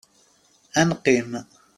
Ad neqqim.